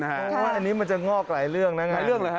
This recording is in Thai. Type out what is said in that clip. เพราะว่าอันนี้มันจะงอกหลายเรื่องนะหลายเรื่องเลยฮ